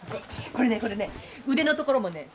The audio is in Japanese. これねこれね腕のところもね